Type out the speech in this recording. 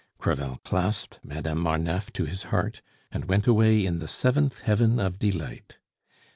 Crevel clasped Madame Marneffe to his heart, and went away in the seventh heaven of delight.